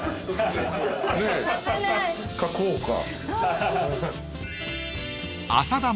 かこうか。